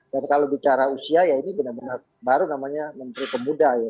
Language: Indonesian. dan kalau bicara usia ya ini benar benar baru namanya menteri pemuda ya